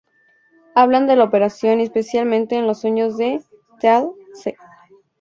Hablan de la operación y especialmente de los sueños de Teal'c.